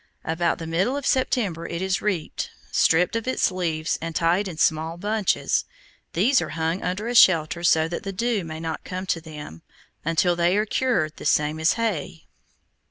About the middle of September it is reaped, stripped of its leaves, and tied in small bunches; these are hung under a shelter so that the dew may not come to them, until they are cured the same as hay.